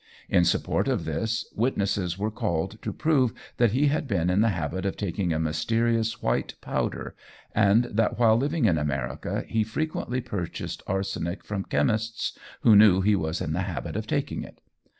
In support of this, witnesses were called to prove that he had been in the habit of taking a mysterious white powder, and that while living in America, he frequently purchased arsenic from chemists who knew he was in the habit of taking it.